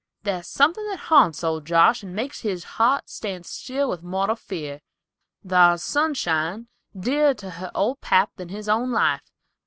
Thar's something haunts old Josh, and makes his heart stand still with mortal fear. Thar's Sunshine, dearer to her old pap than his own life.